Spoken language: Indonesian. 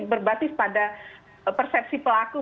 berbasis pada persepsi pelaku